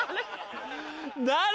誰？